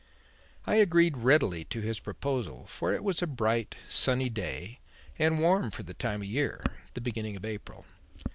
I agreed readily to this proposal, for it was a bright, sunny day and warm for the time of year the beginning of April.